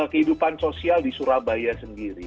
kehidupan sosial di surabaya sendiri